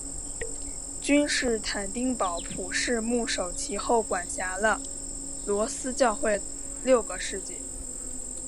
君士坦丁堡普世牧首其后管辖了罗斯教会六个世纪。